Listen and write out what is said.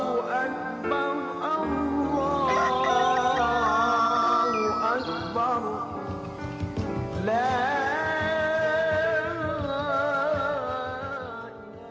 allah allah allah